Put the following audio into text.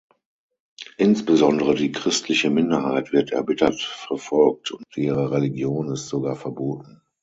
Insbesondere die christliche Minderheit wird erbittert verfolgt, und ihre Religion ist sogar verboten.